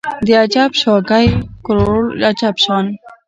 د اجب شاګۍ کروړو عجب شان